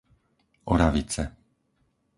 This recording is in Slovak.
Oravice